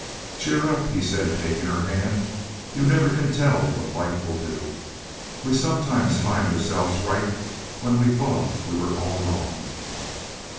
"Cheer up," he said, taking her hand. "You never can tell what life will do. We sometimes find ourselves right when we thought we were all wrong."